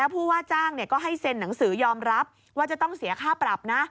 ผู้ว่าจ้างก็ให้เซ็นหนังสือยอมรับว่าจะต้องเสียค่าปรับนะ